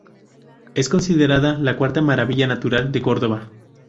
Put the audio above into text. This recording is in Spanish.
Es considerada la cuarta Maravilla Natural de Córdoba.